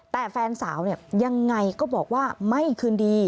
แต่แฟนสาวยังไงก็บอกว่าไม่ขึ้นดี